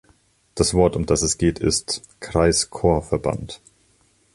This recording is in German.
Das Wort, um das es geht, ist 'Kreischorverband'.